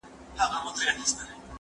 زدکړه وکړه،